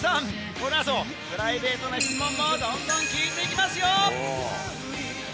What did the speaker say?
この後、プライベートの質問もどんどん聞いていきますよ。